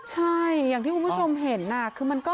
ใช่อย่างที่คุณผู้ชมเห็นคือมันก็